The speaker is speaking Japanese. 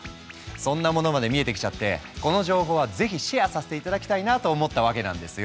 そんなものまで見えてきちゃってこの情報はぜひシェアさせて頂きたいなと思ったわけなんですよ！